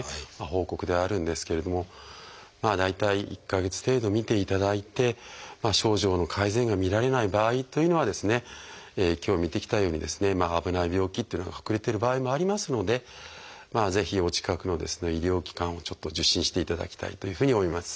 報告ではあるんですけれども大体１か月程度見ていただいて症状の改善が見られない場合というのは今日見てきたようにですね危ない病気というのが隠れてる場合もありますのでぜひお近くの医療機関をちょっと受診していただきたいというふうに思います。